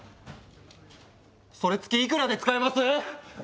それ月いくらで使えます？